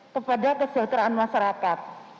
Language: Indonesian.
kepada kesejahteraan masyarakat